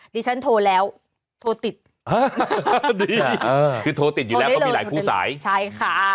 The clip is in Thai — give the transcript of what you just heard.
ดิฉันโทรแล้วโทรติดคือโทรติดอยู่แล้วก็มีหลายคู่สายใช่ค่ะ